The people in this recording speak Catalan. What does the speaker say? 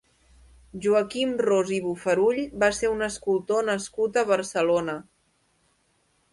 Joaquim Ros i Bofarull va ser un escultor nascut a Barcelona.